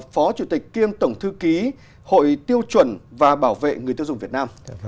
phó chủ tịch kiêm tổng thư ký hội tiêu chuẩn và bảo vệ người tiêu dùng việt nam